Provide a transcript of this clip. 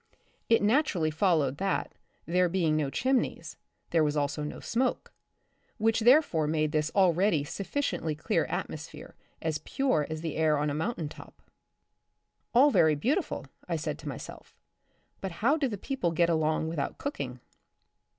It naturally followed that, there being no chimneys, there was also no smoke, which therefore made this already sufficiently clear atmosphere as pure as the air on a mountain top. All very beautiful, I said to myself, but how do the people get along without cooking